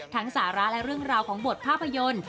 สาระและเรื่องราวของบทภาพยนตร์